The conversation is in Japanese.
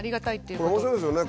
これ面白いですよね。